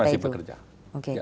tim teknis masih bekerja oke